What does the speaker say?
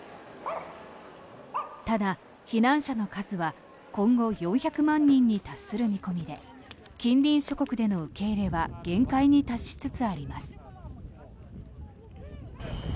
ただ、避難者の数は今後４００万人に達する見込みで近隣諸国での受け入れは限界に達しつつあります。